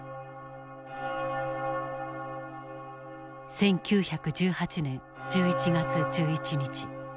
１９１８年１１月１１日。